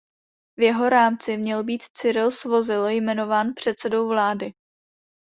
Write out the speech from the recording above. V jeho rámci měl být Cyril Svozil jmenován předsedou vlády.